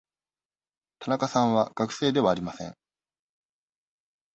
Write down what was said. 田中さんは学生ではありません。